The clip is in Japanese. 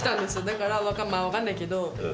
だから分かんないけど。